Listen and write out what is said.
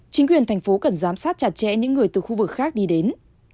chính quyền thành phố cần giám sát chặt chẽ những người từ khu vực khác đi đến